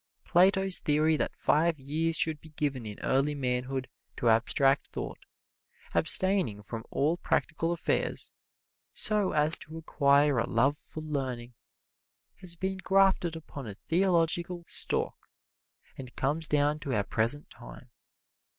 Plato's theory that five years should be given in early manhood to abstract thought, abstaining from all practical affairs, so as to acquire a love for learning, has been grafted upon a theological stalk and comes down to our present time.